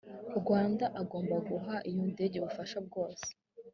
rwanda agomba guha iyo ndege ubufasha bwose